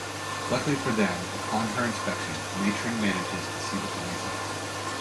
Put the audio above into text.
Luckily for them, upon her inspection, Matron manages to see the funny side.